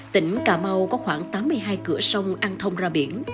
tỉnh cà mau có khoảng tám mươi hai cửa sông ăn thông ra biển